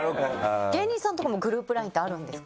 芸人さんとかもグループＬＩＮＥってあるんですか？